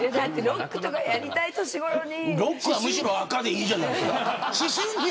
ロックはむしろ赤でいいじゃないですか。